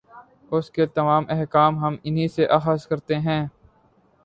اُس کے تمام احکام ہم اِنھی سے اخذ کرتے ہیں